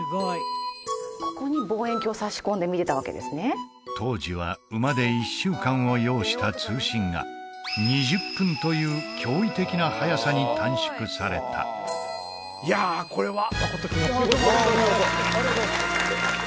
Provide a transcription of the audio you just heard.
ここに望遠鏡をさし込んで見てたわけですね当時は馬で１週間を要した通信が２０分という驚異的な速さに短縮されたいやあこれは真君お見事でございますありがとうございます